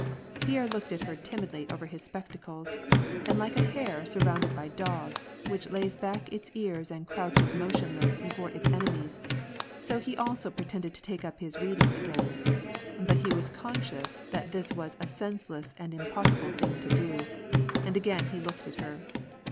Pierre looked at her timidly over his spectacles, and like a hare surrounded by dogs, which lays back its ears and crouches motionless before its enemies, so he also pretended to take up his reading again ; but he was conscious that this was a senseless and impossible thing to do, and again he looked at her.